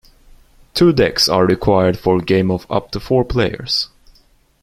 Two decks are required for game of up to four players.